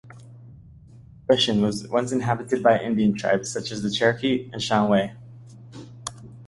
Goshen was once inhabited by Indian tribes such as the Cherokee and Shawnee.